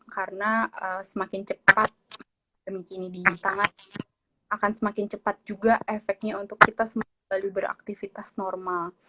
karena semakin cepat mungkin ini dihitungan akan semakin cepat juga efeknya untuk kita semakin beraktivitas normal